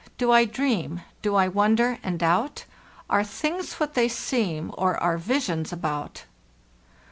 Do I dream? Do | wonder and doubt? Are things what they seem? Or are visions about